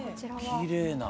きれいな。